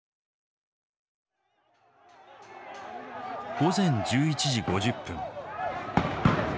午前１１時５０分。